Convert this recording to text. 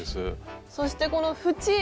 そしてこの縁。